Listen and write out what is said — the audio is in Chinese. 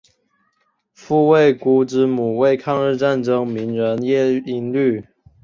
傅慰孤之母为抗日战争名人叶因绿。